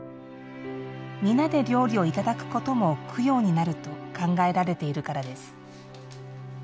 皆で料理を頂くことも供養になると考えられているからです。